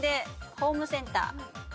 ホームセンター。